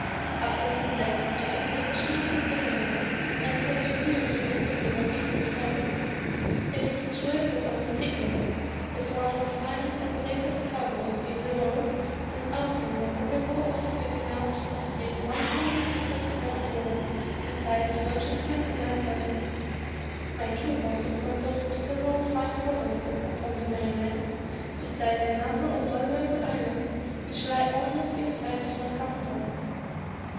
After his death I took possession of his dominions, and continued in the city where he had resided. It is situated on the sea coast, has one of the finest and safest harbours in the world, an arsenal capable of fitting out for sea one hundred and fifty men of war, besides merchantmen and light vessels. My kingdom is composed of several fine provinces upon the main land, besides a number of valuable islands, which lie almost in sight of my capital.